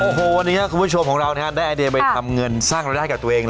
โอ้โหวันนี้คุณผู้ชมของเราได้ไอเดียไปทำเงินสร้างรายได้กับตัวเอง